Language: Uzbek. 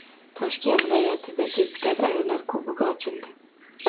Toshkent viloyatida “Deputat ayollar klubi” ochildi